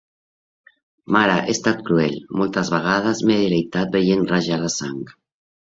Mare, he estat cruel: moltes vegades m’he delitat veient rajar la sang.